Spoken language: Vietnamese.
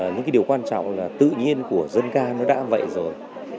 những cái điều quan trọng là tự nhiên của dân ca nó đã vậy rồi